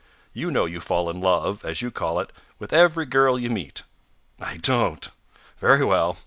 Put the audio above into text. You know you fall in love, as you call it, with every girl you meet." "I don't." "Very well.